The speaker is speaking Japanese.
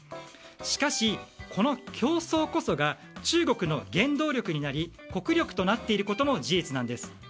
しかし、この競争こそが中国の原動力となり国力となっていることも事実なんです。